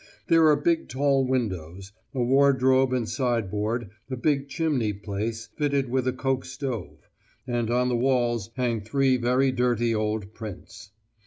There are big tall windows, a wardrobe and sideboard, a big chimney place fitted with a coke stove, and on the walls hang three very dirty old prints.